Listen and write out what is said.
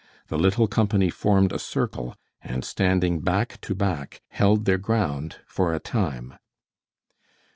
The little company formed a circle, and standing back to back, held their ground for a time.